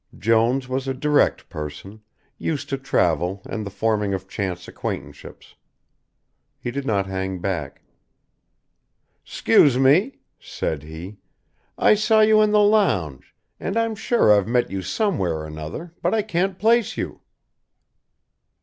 Jones was a direct person, used to travel and the forming of chance acquaintanceships. He did not hang back. "'Scuse me," said he. "I saw you in the lounge and I'm sure I've met you somewhere or another, but I can't place you."